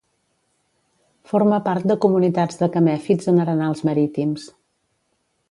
Forma part de comunitats de camèfits en arenals marítims.